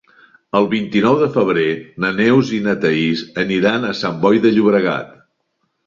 El vint-i-nou de febrer na Neus i na Thaís aniran a Sant Boi de Llobregat.